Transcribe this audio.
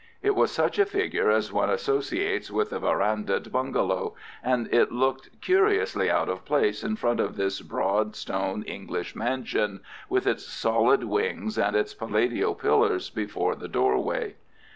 It was such a figure as one associates with a verandahed bungalow, and it looked curiously out of place in front of this broad, stone English mansion, with its solid wings and its Palladio pillars before the doorway.